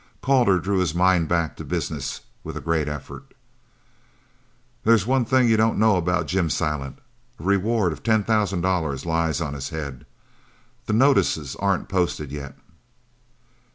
Calder drew his mind back to business with a great effort. "There's one thing you don't know about Jim Silent. A reward of ten thousand dollars lies on his head. The notices aren't posted yet."